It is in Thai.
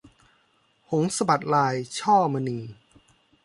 หงส์สะบัดลาย - ช่อมณี